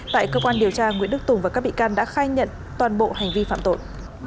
tại cơ quan điều tra nguyễn đức tùng và các bị can đã khai nhận toàn bộ hành vi phạm tội